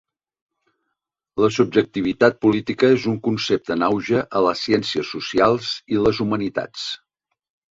La subjectivitat política és un concepte en auge a les ciències socials i les humanitats.